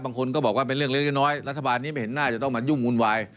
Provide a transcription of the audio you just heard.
บางคนก็บอกว่าเป็นเรื่องเล็กน้อยรัฐบาลนี้ไม่เห็นน่าจะต้องมายุ่งวุ่นวาย